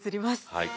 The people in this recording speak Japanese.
はい。